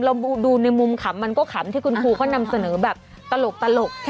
เราดูในมุมขำมันก็ขำที่คุณครูเขานำเสนอแบบตลก